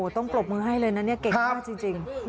ต้องกรบมือให้เลยนะเก่งมากจริง